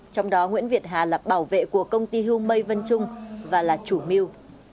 trong đó nguyễn việt hà là bảo vệ của công ty hưu mây vân trung và là chủ mưu